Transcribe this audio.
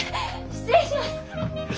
失礼します。